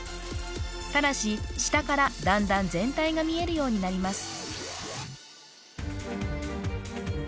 ただし下からだんだん全体が見えるようになります